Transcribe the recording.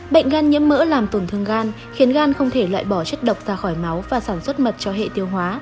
bệnh gan nhiễm mỡ làm tổn thương gan khiến gan không thể loại bỏ chất độc ra khỏi máu và sản xuất mật cho hệ tiêu hóa